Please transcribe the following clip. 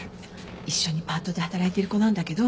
一緒にパートで働いてる子なんだけど。